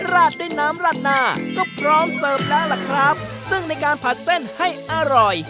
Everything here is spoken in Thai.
ราดด้วยน้ำราดหน้าก็พร้อมเสิร์ฟแล้วล่ะครับซึ่งในการผัดเส้นให้อร่อย